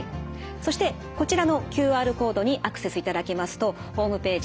そしてこちらのＱＲコードにアクセスいただきますとホームページ